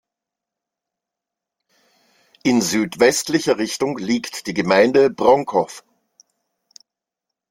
In südwestlicher Richtung liegt die Gemeinde Bronkow.